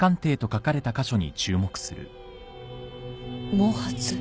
毛髪？